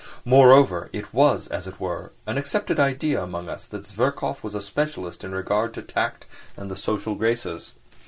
Moreover, it was, as it were, an accepted idea among us that Zverkov was a specialist in regard to tact and the social graces.